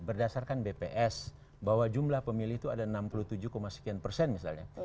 berdasarkan bps bahwa jumlah pemilih itu ada enam puluh tujuh sekian persen misalnya